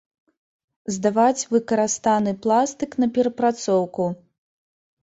Здаваць выкарыстаны пластык на перапрацоўку.